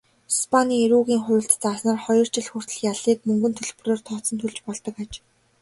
Испанийн эрүүгийн хуульд зааснаар хоёр жил хүртэлх ялыг мөнгөн төлбөрөөр тооцон төлж болдог аж.